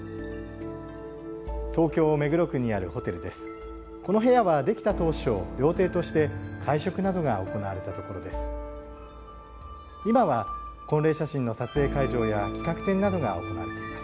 東京・目黒区にあるホテルです。